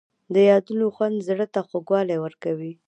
د یادونو خوند زړه ته خوږوالی ورکوي.